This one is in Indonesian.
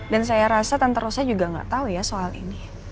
dan saya rasa tante rosa juga gak tahu ya soal ini